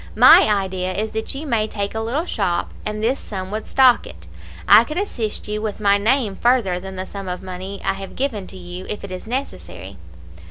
My idea is that you may take a little shop, and this sum would stock it. I could assist you with my name further than the sum of money I have given to you, if it is necessary.'